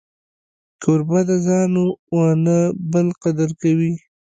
کوربه د ځان و نه بل قدر کوي.